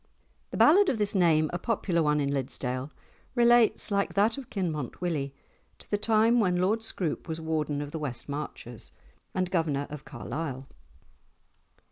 '" The ballad of this name, a popular one in Liddesdale, relates, like that of Kinmont Willie, to the time when Lord Scroope was Warden of the West Marches and Governor of Carlisle.